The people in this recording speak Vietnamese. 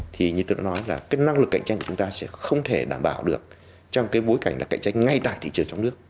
thì như tôi đã nói là cái năng lực cạnh tranh của chúng ta sẽ không thể đảm bảo được trong cái bối cảnh là cạnh tranh ngay tại thị trường trong nước